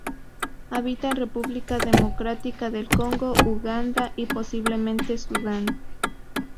Habita en República Democrática del Congo, Uganda y posiblemente Sudán.